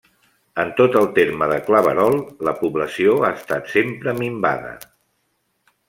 En tot el terme de Claverol, la població ha estat sempre minvada.